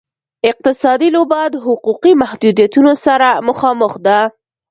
اقتصادي لوبه د حقوقي محدودیتونو سره مخامخ ده.